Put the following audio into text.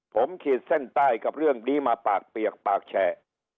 ผมขีดเส้นใต้กับเรื่องนี้มาปากเปียกปากแฉะ